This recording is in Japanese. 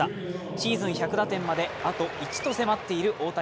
シーズン１００打点まで、あと１と迫っている大谷。